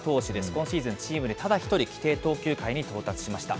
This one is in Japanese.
今シーズン、チームでただ１人、規定投球回に到達しました。